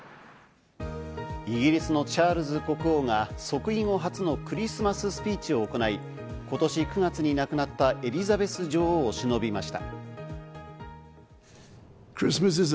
イギリスのチャールズ国王が即位後初のクリスマススピーチを行い、今年９月に亡くなったエリザベス女王を偲びました。